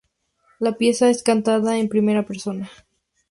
La pieza es cantada en primera persona.